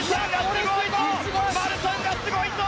マルシャンがすごいぞ！